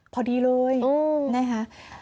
พอดีเลยนะครับ